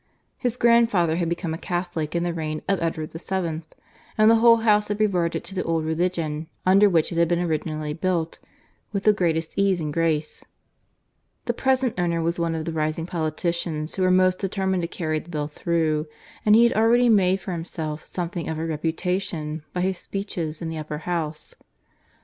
His grandfather had become a Catholic in the reign of Edward VII; and the whole house had reverted to the old religion under which it had been originally built, with the greatest ease and grace. The present owner was one of the rising politicians who were most determined to carry the Bill through; and he had already made for himself something of a reputation by his speeches in the Upper House.